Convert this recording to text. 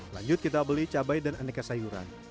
lanjut kita beli cabai dan aneka sayuran